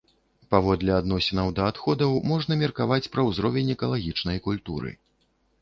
Паводле адносінаў да адходаў можна меркаваць пра ўзровень экалагічнай культуры.